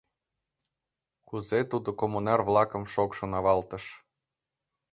Кузе тудо коммунар-влакым шокшын авалтыш!